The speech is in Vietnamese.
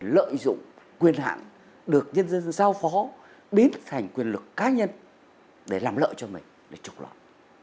lợi dụng quyền hạn được nhân dân giao phó biến thành quyền lực cá nhân để làm lợi cho mình để trục lợi